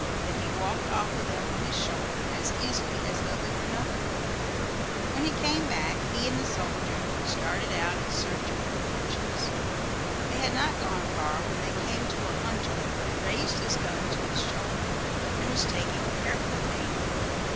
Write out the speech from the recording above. Then he walked off with them on his shoulder as easily as though they were nothing. When he came back he and the soldier started out in search of their fortunes. They had not gone far when they came to a hunter who had raised his gun to his shoulder and was taking careful aim.